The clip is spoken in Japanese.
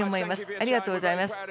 ありがとうございます。